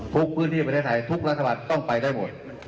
พื้นที่ประเทศไทยทุกรัฐบาลต้องไปได้หมด